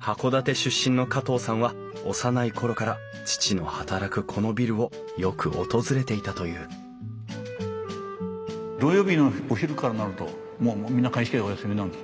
函館出身の加藤さんは幼い頃から父の働くこのビルをよく訪れていたという土曜日のお昼からなるともうみんな会社お休みなんです。